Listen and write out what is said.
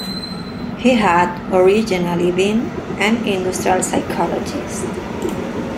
He had originally been an industrial psychologist.